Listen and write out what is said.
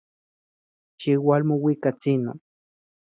Xiualmuikatsino.